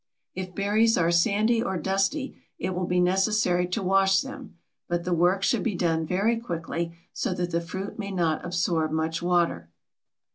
If berries are sandy or dusty it will be necessary to wash them, but the work should be done very quickly so that the fruit may not absorb much water.